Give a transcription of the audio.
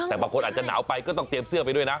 แต่บางคนอาจจะหนาวไปก็ต้องเตรียมเสื้อไปด้วยนะ